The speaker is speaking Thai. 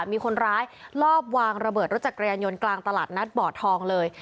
มีคนร้ายลอบวางระเบิดรถจักรยานยนต์กลางตลาดนัดบ่อทองเลย